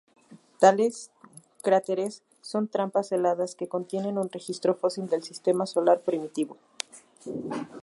Tales cráteres son trampas heladas que contienen un registro fósil del sistema solar primitivo.